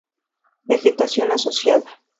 Vegetación asociada.